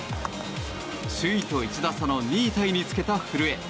首位と１打差の２位タイにつけた古江。